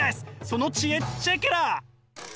その知恵チェケラ！